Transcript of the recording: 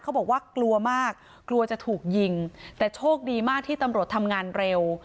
บอกว่ากลัวมากกลัวจะถูกยิงแต่โชคดีมากที่ตำรวจทำงานเร็ว